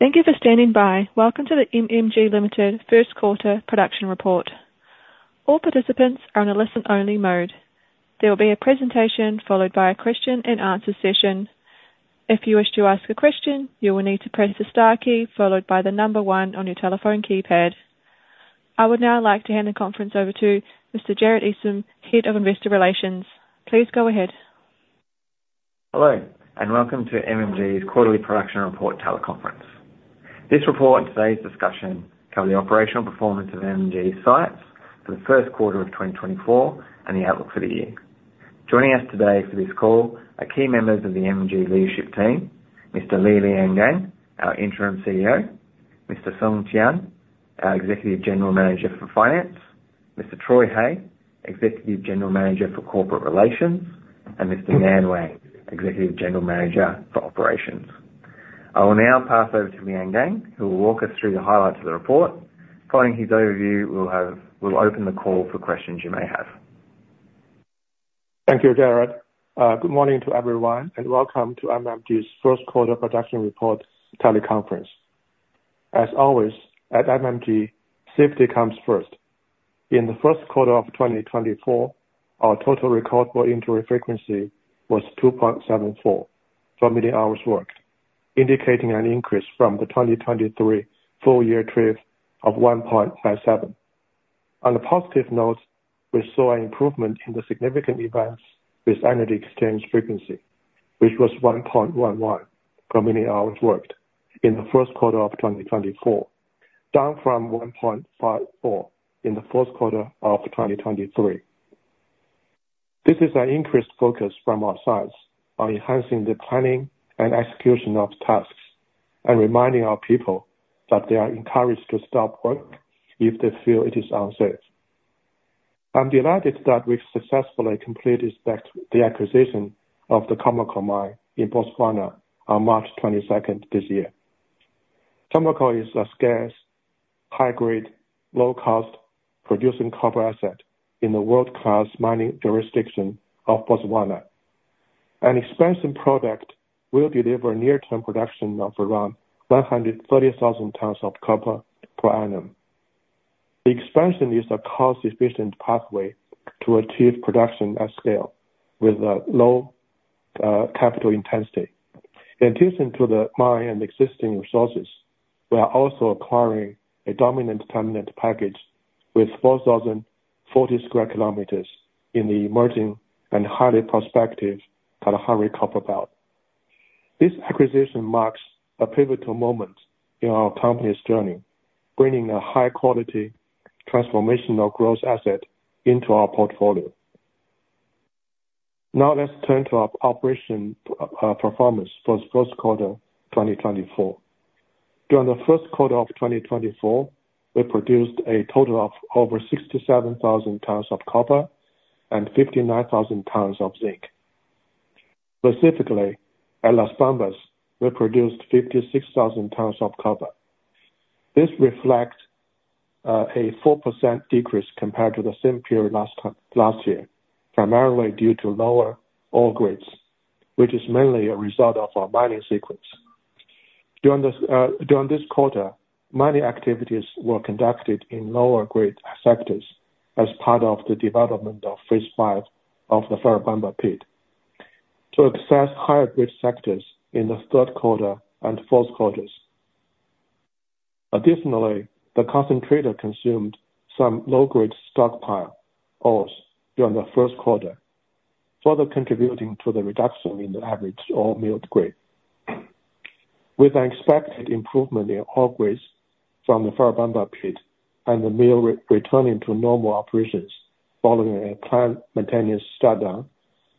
Thank you for standing by. Welcome to the MMG Limited Q1 Production Report. All participants are in a listen-only mode. There will be a presentation followed by a question-and-answer session. If you wish to ask a question, you will need to press the star key followed by the number 1 on your telephone keypad. I would now like to hand the conference over to Mr. Jarod Esam, Head of Investor Relations. Please go ahead. Hello and welcome to MMG's quarterly production report teleconference. This report and today's discussion cover the operational performance of MMG's sites for the Q1 of 2024 and the outlook for the year. Joining us today for this call are key members of the MMG leadership team: Mr. Li Liangang, our Interim CEO, Mr. Song Qian, our Executive General Manager for Finance, Mr. Troy Hey, Executive General Manager for Corporate Relations, and Mr. Nan Wang, Executive General Manager for Operations. I will now pass over to Liangang, who will walk us through the highlights of the report. Following his overview, we'll open the call for questions you may have. Thank you, Jarod. Good morning to everyone and welcome to MMG's Q1 production report teleconference. As always, at MMG, safety comes first. In the Q1 of 2024, our total recordable injury frequency was 2.74 per million hours worked, indicating an increase from the 2023 full-year TRIF of 1.57. On a positive note, we saw an improvement in the significant events with high energy exchange frequency, which was 1.11 per million hours worked in the Q1 of 2024, down from 1.54 in the Q4 of 2023. This is an increased focus from our sites on enhancing the planning and execution of tasks and reminding our people that they are encouraged to stop work if they feel it is unsafe. I'm delighted that we've successfully completed the acquisition of the Khoemacau mine in Botswana on 22 March this year. Khoemacau is a scarce, high-grade, low-cost producing copper asset in the world-class mining jurisdiction of Botswana. An expansion project will deliver near-term production of around 130,000 tons of copper per annum. The expansion is a cost-efficient pathway to achieve production at scale with a low capital intensity. In addition to the mine and existing resources, we are also acquiring a dominant tenement package with 4,040 sq km in the emerging and highly prospective Kalahari Copper Belt. This acquisition marks a pivotal moment in our company's journey, bringing a high-quality transformational growth asset into our portfolio. Now let's turn to our operational performance for the Q1 2024. During the Q1 of 2024, we produced a total of over 67,000 tons of copper and 59,000 tons of zinc. Specifically, at Las Bambas, we produced 56,000 tons of copper. This reflects a 4% decrease compared to the same period last year, primarily due to lower ore grades, which is mainly a result of our mining sequence. During this quarter, mining activities were conducted in lower-grade sectors as part of the development of phase 5 of the Ferrobamba Pit. To access higher-grade sectors in the Q3 and Q4. Additionally, the concentrator consumed some low-grade stockpile ores during the Q1, further contributing to the reduction in the average ore milled grade. With an expected improvement in ore grades from the Ferrobamba Pit and the mill returning to normal operations following a planned maintenance shutdown,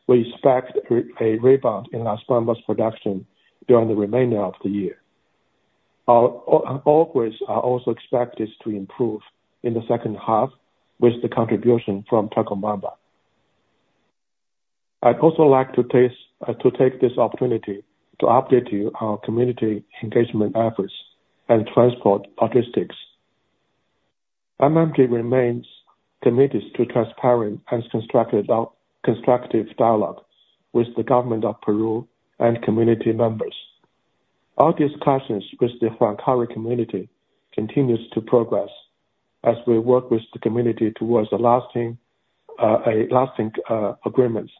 we expect a rebound in Las Bambas production during the remainder of the year. Our ore grades are also expected to improve in the second half with the contribution from Chalcobamba. I'd also like to take this opportunity to update you on our community engagement efforts and transport logistics. MMG remains committed to transparent and constructive dialogue with the government of Peru and community members. Our discussions with the Huancuire community continue to progress as we work with the community towards lasting agreements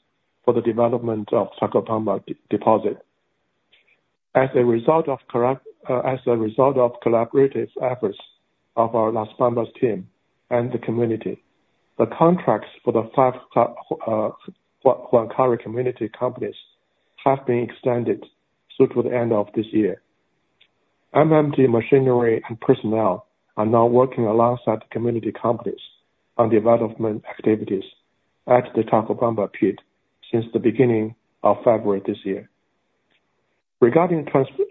for the development of Chalcobamba deposit. As a result of collaborative efforts of our Las Bambas team and the community, the contracts for the five Huancuire community companies have been extended through to the end of this year. MMG machinery and personnel are now working alongside community companies on development activities at the Chalcobamba Pit since the beginning of February this year. Regarding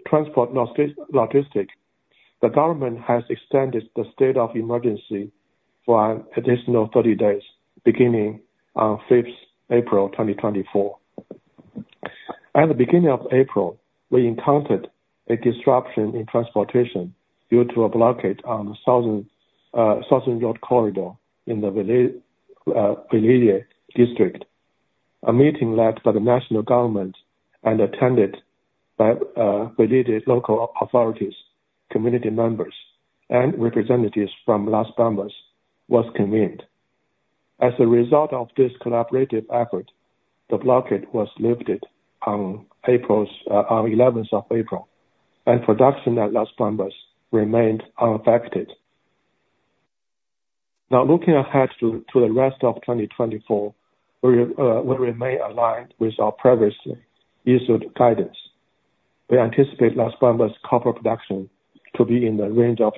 transport logistics, the government has extended the state of emergency for an additional 30 days, beginning on 5 April 2024. At the beginning of April, we encountered a disruption in transportation due to a blockade on the Southern Road corridor in the Velille district. A meeting led by the national government and attended by Velille local authorities, community members, and representatives from Las Bambas was convened. As a result of this collaborative effort, the blockade was lifted on 11 April, and production at Las Bambas remained unaffected. Now, looking ahead to the rest of 2024, we remain aligned with our previously issued guidance. We anticipate Las Bambas copper production to be in the range of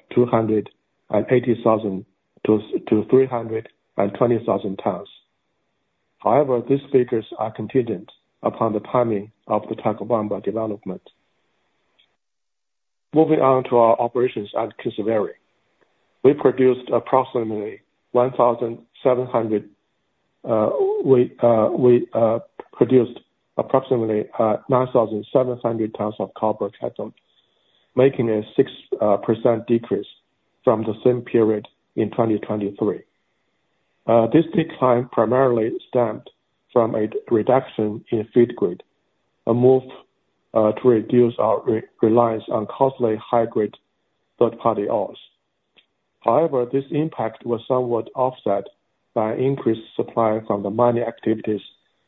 280,000-320,000 tons. However, these figures are contingent upon the timing of the Chalcobamba development. Moving on to our operations at Kinsevere, we produced approximately 9,700 tons of copper cathode, making a 6% decrease from the same period in 2023. This decline primarily stemmed from a reduction in feed grade, a move to reduce our reliance on costly high-grade third-party ores. However, this impact was somewhat offset by an increased supply from the mining activities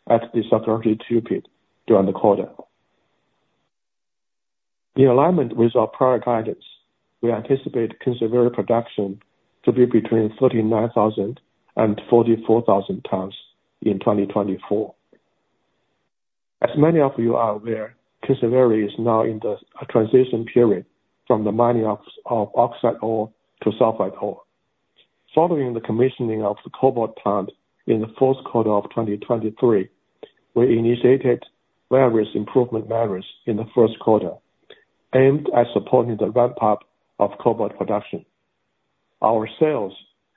at the Sokoroshe II pit during the quarter. In alignment with our prior guidance, we anticipate Kinsevere production to be between 39,000 and 44,000 tons in 2024. As many of you are aware, Kinsevere is now in the transition period from the mining of oxide ore to sulfide ore. Following the commissioning of the cobalt plant in the Q4 of 2023, we initiated various improvement measures in the Q1 aimed at supporting the ramp-up of cobalt production. Our sales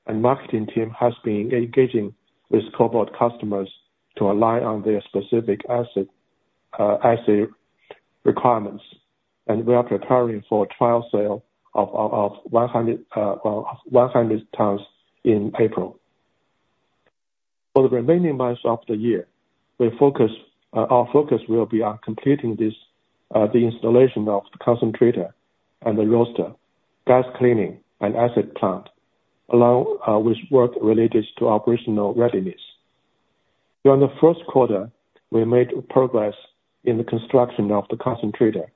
and marketing team have been engaging with cobalt customers to align on their specific asset requirements, and we are preparing for a trial sale of 100 tons in April. For the remaining months of the year, our focus will be on completing the installation of the concentrator and the roaster, gas cleaning, and acid plant, along with work related to operational readiness. During the Q1, we made progress in the construction of the concentrator,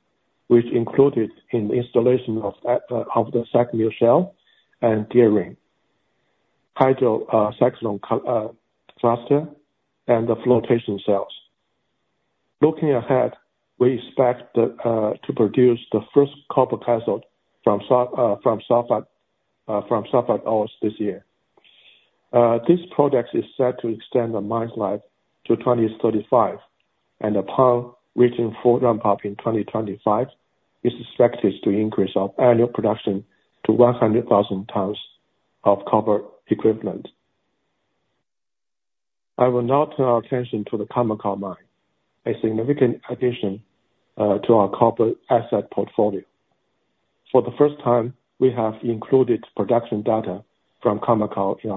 which included the installation of the SAG mill shell and gear ring, hydrocyclone cluster, and the flotation cells. Looking ahead, we expect to produce the first copper cathode from sulfide ores this year. This project is set to extend the mine's life to 2035, and upon reaching full ramp-up in 2025, it's expected to increase our annual production to 100,000 tons of copper equivalent. I will now turn our attention to the Khoemacau mine, a significant addition to our copper asset portfolio. For the first time, we have included production data from Khoemacau in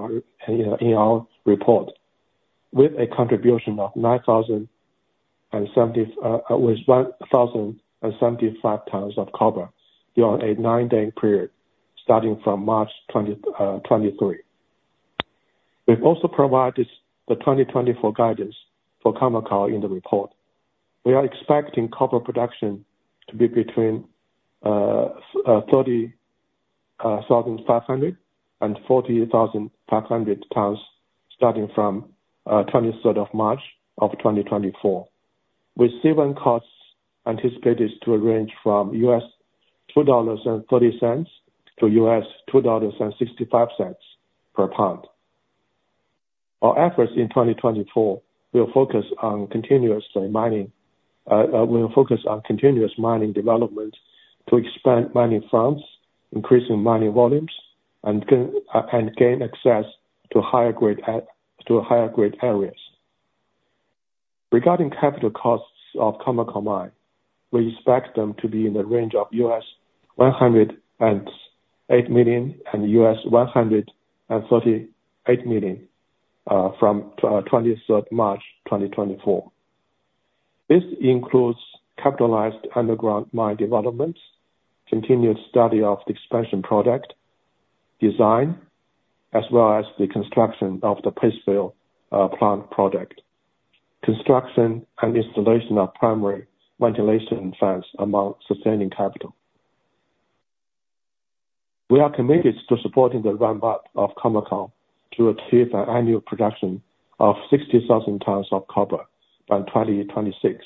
our report with a contribution of 9,075 tons of copper during a nine-day period starting from March 2023. We've also provided the 2024 guidance for Khoemacau in the report. We are expecting copper production to be between 30,500 and 40,500 tons starting from 23 March of 2024, with C1 costs anticipated to range from $2.30-$2.65 per pound. Our efforts in 2024 will focus on continuous mining development to expand mining fronts, increasing mining volumes, and gain access to higher-grade areas. Regarding capital costs of Khoemacau mine, we expect them to be in the range of $108 million-$138 million from 23rd March 2024. This includes capitalized underground mine developments, continued study of the expansion project design, as well as the construction of the Pastefill plant project, construction and installation of primary ventilation fans among sustaining capital. We are committed to supporting the ramp-up of Khoemacau to achieve an annual production of 60,000 tons of copper by 2026.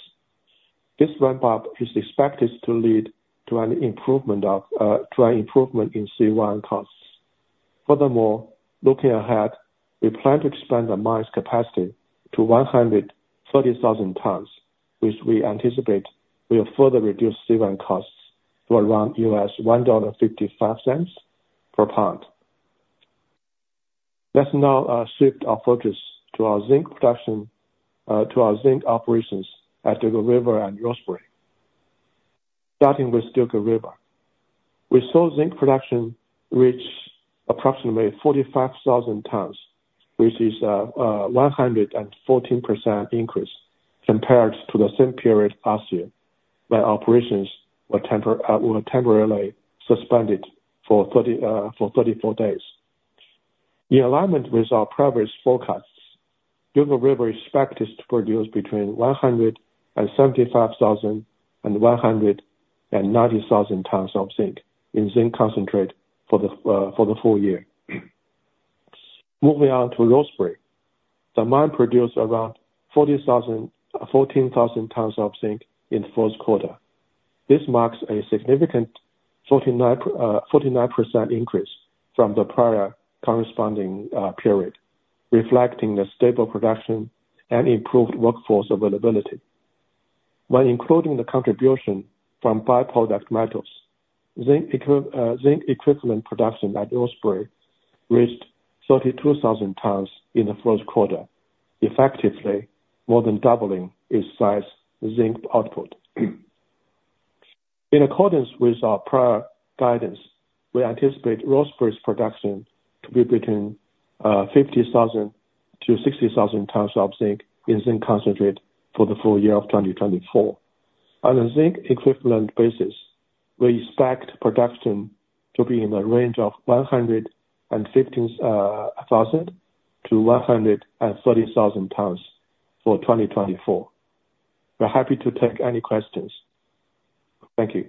This ramp-up is expected to lead to an improvement in C1 costs. Furthermore, looking ahead, we plan to expand the mine's capacity to 130,000 tons, which we anticipate will further reduce C1 costs to around $1.55 per pound. Let's now shift our focus to our zinc operations at Dugald River and Rosebery, starting with Dugald River. We saw zinc production reach approximately 45,000 tons, which is a 114% increase compared to the same period last year when operations were temporarily suspended for 34 days. In alignment with our previous forecasts, Dugald River is expected to produce between 175,000 and 190,000 tons of zinc in zinc concentrate for the full year. Moving on to Rosebery, the mine produced around 14,000 tons of zinc in the Q4. This marks a significant 49% increase from the prior corresponding period, reflecting the stable production and improved workforce availability. When including the contribution from byproduct metals, zinc equivalent production at Rosebery reached 32,000 tons in the Q1, effectively more than doubling its zinc output. In accordance with our prior guidance, we anticipate Rosebery's production to be between 50,000-60,000 tons of zinc in zinc concentrate for the full year of 2024. On a zinc equivalent basis, we expect production to be in the range of 115,000-130,000 tons for 2024. We're happy to take any questions. Thank you.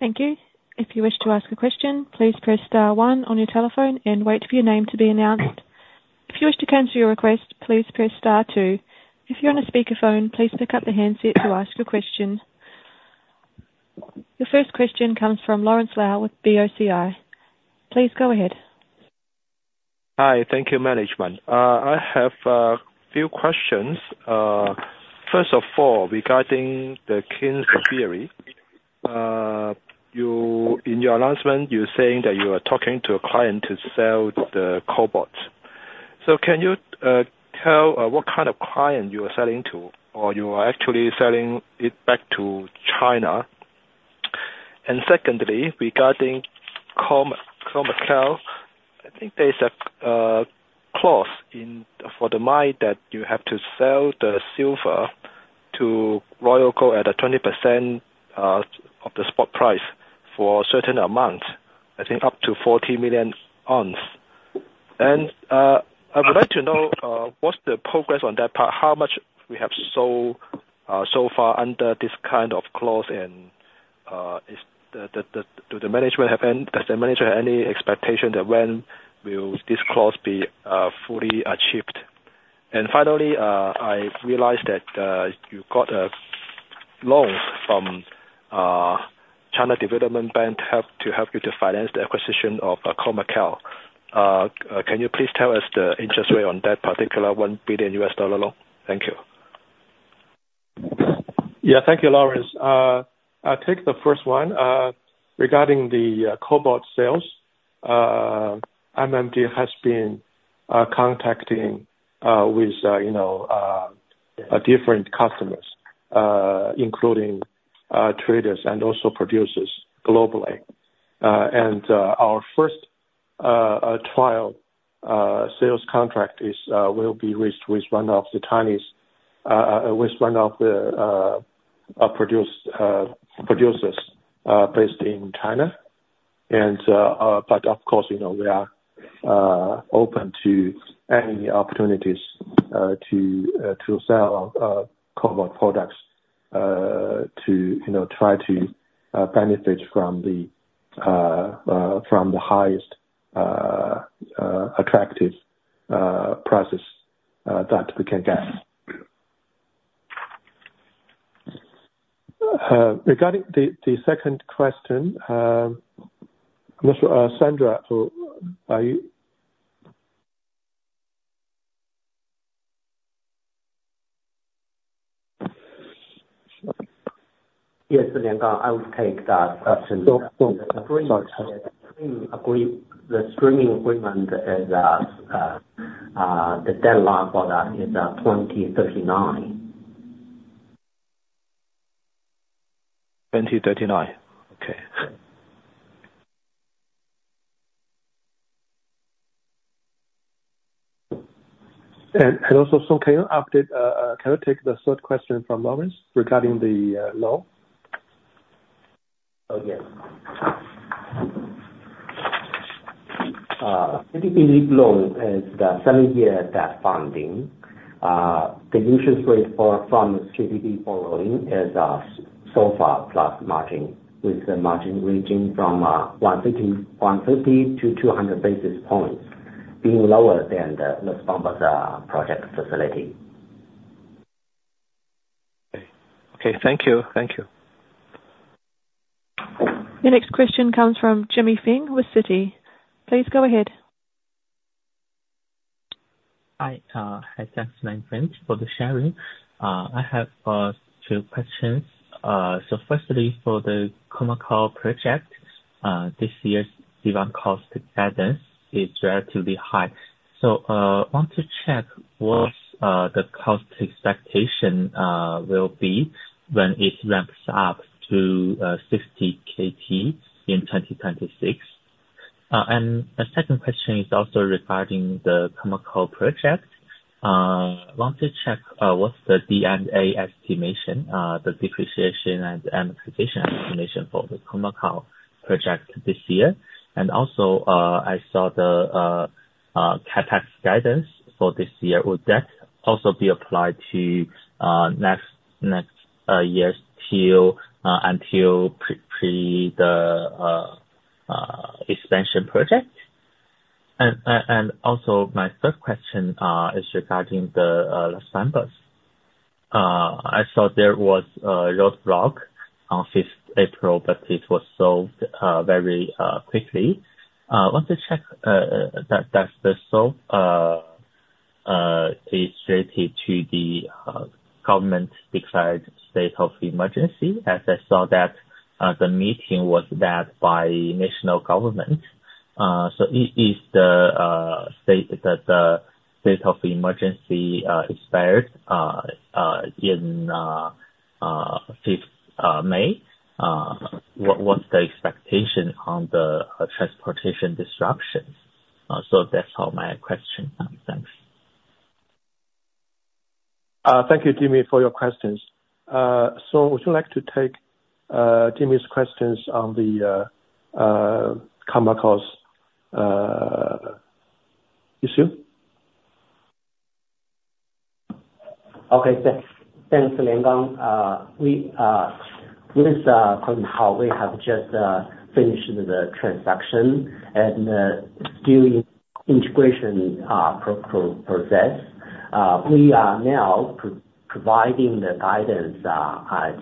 Thank you. If you wish to ask a question, please press star one on your telephone and wait for your name to be announced. If you wish to cancel your request, please press star two. If you're on a speakerphone, please pick up the handset to ask your question. Your first question comes from Lawrence Lau with BOCI. Please go ahead. Hi. Thank you, management. I have a few questions. First of all, regarding Kinsevere, in your announcement, you're saying that you are talking to a client to sell the cobalt. So can you tell what kind of client you are selling to, or you are actually selling it back to China? And secondly, regarding Khoemacau, I think there's a clause for the mine that you have to sell the silver to Royal Gold at 20% of the spot price for a certain amount, I think up to 40 million ounces. And I would like to know what's the progress on that part, how much we have sold so far under this kind of clause, and does the management have any expectation that when will this clause be fully achieved? Finally, I realized that you got loans from China Development Bank to help you to finance the acquisition of Khoemacau. Can you please tell us the interest rate on that particular $1 billion loan? Thank you. Yeah. Thank you, Lawrence. I'll take the first one. Regarding the cobalt sales, MMG has been contacting with different customers, including traders and also producers globally. Our first trial sales contract will be reached with one of the Chinese with one of the producers based in China. But of course, we are open to any opportunities to sell cobalt products to try to benefit from the highest attractive prices that we can get. Regarding the second question, Song, are you? Yes, Liangang. I will take that question. The streaming agreement is that the deadline for that is 2039. 2039. Okay. Also, Song Qian, can you take the third question from Lawrence regarding the loan? Oh, yes. CDB loan is the 7-year debt funding. The interest rate from CDB borrowing is SOFR plus margin, with the margin ranging from 150-200 basis points, being lower than Las Bambas project facility. Okay. Thank you. Thank you. Your next question comes from Jimmy Feng with Citi. Please go ahead. Hi. Hi, thanks, my friend, for the sharing. I have two questions. So firstly, for the Khoemacau project, this year's unit cost guidance is relatively high. So I want to check what the cost expectation will be when it ramps up to 60 kt in 2026. And the second question is also regarding the Khoemacau project. I want to check what's the D&A estimation, the depreciation and amortization estimation for the Khoemacau project this year. And also, I saw the capex guidance for this year. Would that also be applied to next year too until pre-the expansion project? And also, my third question is regarding the Las Bambas. I saw there was a roadblock on 5th April, but it was solved very quickly. I want to check that's been solved. Is it related to the government-decided state of emergency? As I saw that the meeting was led by national government. Is the state of emergency expired in May? What's the expectation on the transportation disruptions? That's all my questions. Thanks. Thank you, Jimmy, for your questions. So would you like to take Jimmy's questions on the Khoemacau's issue? Okay. Thanks, Liang Cao. With Khoemacau, we have just finished the transaction and still in integration process. We are now providing the guidance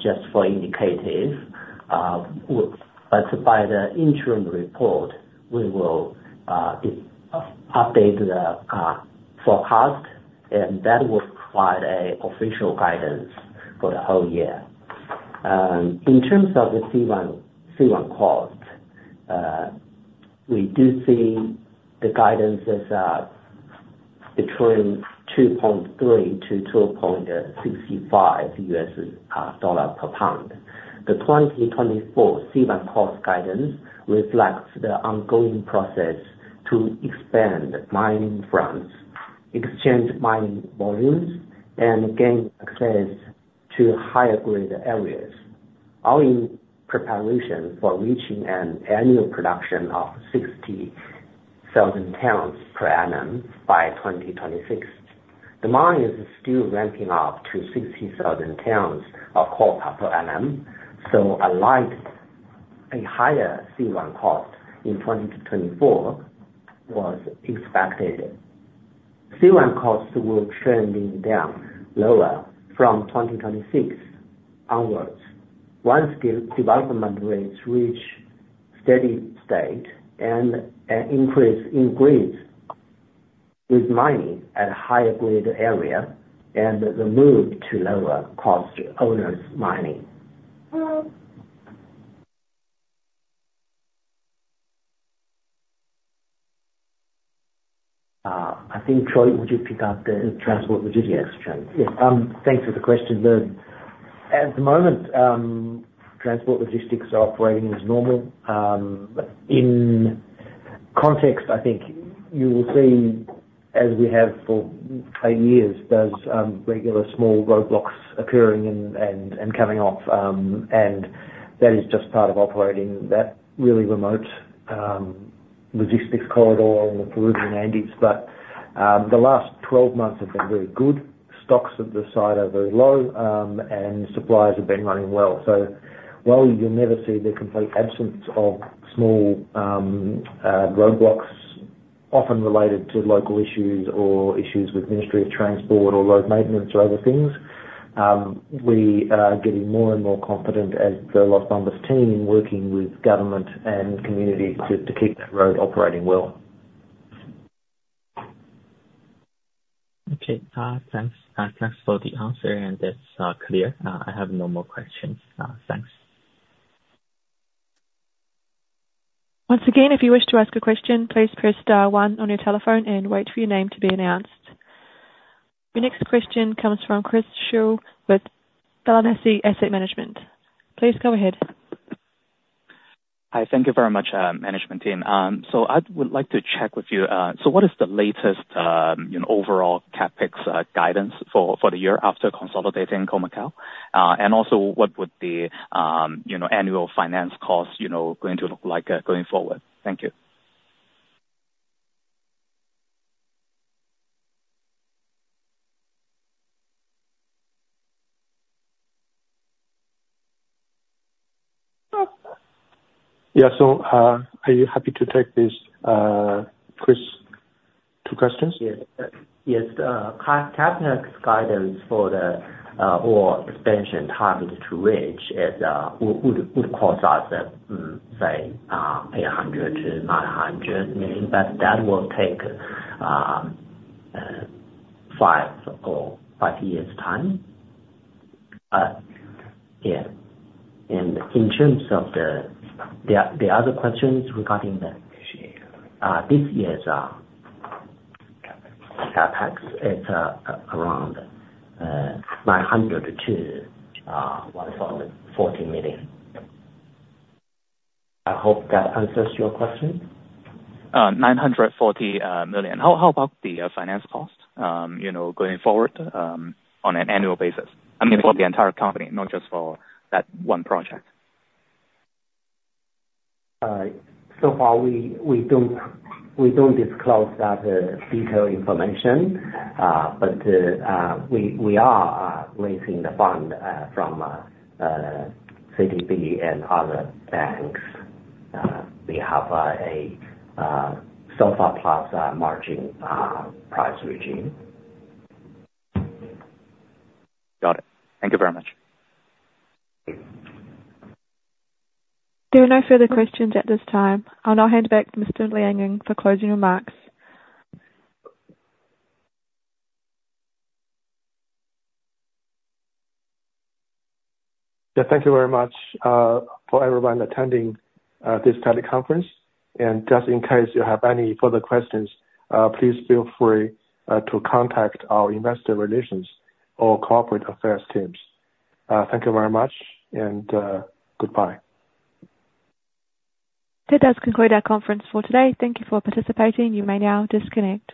just for indicative. But by the interim report, we will update the forecast, and that will provide official guidance for the whole year. In terms of the C1 cost, we do see the guidance as between $2.3-$2.65 per pound. The 2024 C1 cost guidance reflects the ongoing process to expand mining faces, increase mining volumes, and gain access to higher-grade areas. All in preparation for reaching an annual production of 60,000 tons per annum by 2026. The mine is still ramping up to 60,000 tons of copper per annum. So a higher C1 cost in 2024 was expected. C1 costs will trend down lower from 2026 onwards once development rates reach steady state and increase in grades with mining at higher-grade area and the move to lower-cost owners' mining. I think, Troy, would you pick up the transport logistics chunk? Yes. Thanks for the question. At the moment, transport logistics operating is normal. In context, I think you will see, as we have for 8 years, those regular small roadblocks occurring and coming off. And that is just part of operating that really remote logistics corridor in the Peruvian Andes. But the last 12 months have been very good. Stocks at the site are very low, and supplies have been running well. So while you'll never see the complete absence of small roadblocks, often related to local issues or issues with Ministry of Transport or road maintenance or other things, we are getting more and more confident as the Las Bambas team working with government and community to keep that road operating well. Okay. Thanks. Thanks for the answer, and that's clear. I have no more questions. Thanks. Once again, if you wish to ask a question, please press star one on your telephone and wait for your name to be announced. Your next question comes from Chris Shaw with Balyasny Asset Management. Please go ahead. Hi. Thank you very much, management team. I would like to check with you. What is the latest overall CapEx guidance for the year after consolidating Khoemacau? And also, what would the annual finance cost going to look like going forward? Thank you. Yeah. So are you happy to take this, Chris, two questions? Yes. Yes. CapEx guidance for the whole expansion target to reach would cost us, say, $800-$900 million. But that will take 5 years' time. Yeah. And in terms of the other questions regarding this year's CapEx, it's around $900-$140 million. I hope that answers your question. $940 million. How about the finance cost going forward on an annual basis? I mean, for the entire company, not just for that one project. So far, we don't disclose that detailed information. We are raising the fund from CDB and other banks. We have a SOFR plus margin price regime. Got it. Thank you very much. There are no further questions at this time. I'll now hand back to Mr. Liangang for closing remarks. Yeah. Thank you very much for everyone attending this teleconference. Just in case you have any further questions, please feel free to contact our investor relations or corporate affairs teams. Thank you very much, and goodbye. That does conclude our conference for today. Thank you for participating. You may now disconnect.